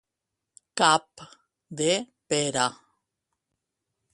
Cap de pera.